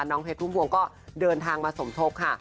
น้องเพชรภูมิภวงก็เดินทางมาสมทบค่ะ